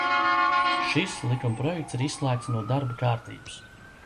Šis likumprojekts ir izslēgts no darba kārtības.